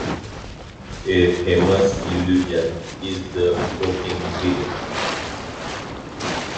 A famous illusion is the Floating Bill.